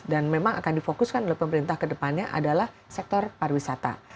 dan memang akan difokuskan oleh pemerintah ke depannya adalah sektor parwisata